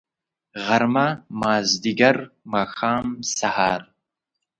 غرمه . مازدیګر . ماښام .. سهار